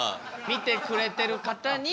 見てくれてる方に。